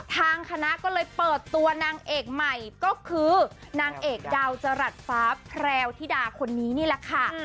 ทางคณะก็เลยเปิดตัวนางเอกใหม่ก็คือนางเอกดาวจรัสฟ้าแพรวธิดาคนนี้นี่แหละค่ะ